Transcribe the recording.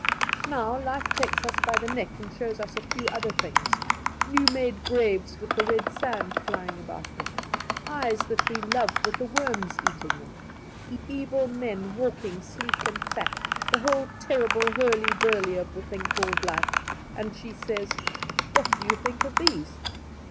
Now life takes us by the neck and shows us a few other things, new made graves with the red sand flying about them; eyes that we love with the worms eating them; evil men walking sleek and fat, the whole terrible hurly burly of the thing called life, and she says, "What do you think of these?"